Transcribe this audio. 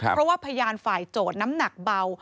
เพราะว่าพยานฝ่ายโจทย์น้ำหนักเบา